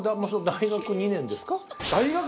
大学２年ですか！